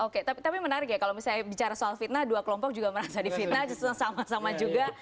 oke tapi menarik ya kalau misalnya bicara soal fitnah dua kelompok juga merasa difitnah sama sama juga